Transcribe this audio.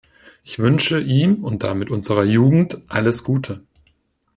Ich wünsche ihm und damit unserer Jugend alles Gute!